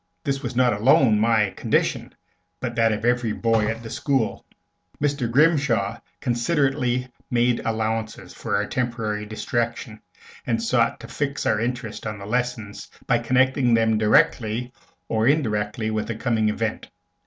This was not alone my condition, but that of every boy in the school. Mr. Grimshaw considerately made allowances for our temporary distraction, and sought to fix our interest on the lessons by connecting them directly or indirectly with the coming Event.